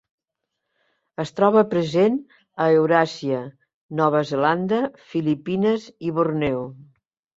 Es troba present a Euràsia, Nova Zelanda, Filipines i Borneo.